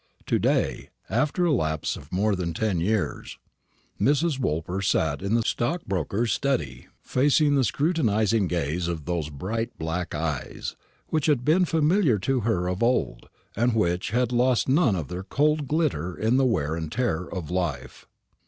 To day, after a lapse of more than ten years, Mrs. Woolper sat in the stockbroker's study, facing the scrutinising gaze of those bright black eyes, which had been familiar to her of old, and which had lost none of their cold glitter in the wear and tear of life.